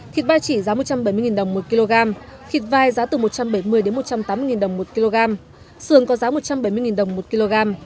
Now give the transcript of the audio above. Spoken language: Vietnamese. thịt vai chỉ giá một trăm bảy mươi đồng một kg thịt vai giá từ một trăm bảy mươi một trăm tám mươi đồng một kg sườn có giá một trăm bảy mươi đồng một kg